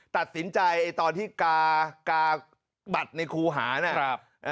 ตัดสินใจตอนที่กาบัตรในครูหาน่ะ